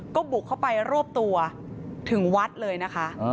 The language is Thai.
ก็บุกเข้าไปรวบตัวถึงวัดเลยนะคะ